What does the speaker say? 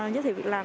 giới thiệu việc làm